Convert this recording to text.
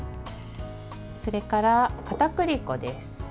それから、かたくり粉です。